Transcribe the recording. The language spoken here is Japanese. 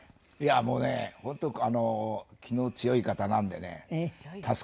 もうね本当気の強い方なんでね助かりますね。